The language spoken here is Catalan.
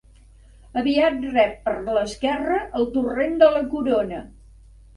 Aviat rep per l'esquerra el torrent de la Corona.